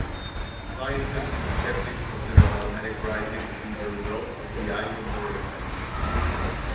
Scientists and skeptics consider automatic writing to be the result of the ideomotor effect.